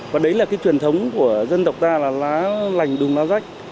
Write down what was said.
và đấy là cái truyền thống của dân tộc ta là lá lành đùm lá rách